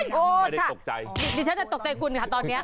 ไม่ได้ตกใจดิฉันจะตกใจคุณค่ะตอนนี้